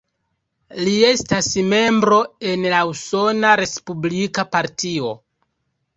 Li estas membro en la Usona respublika Partio.